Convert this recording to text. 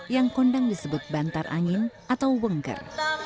yang kondang disebut bantar angin atau wengker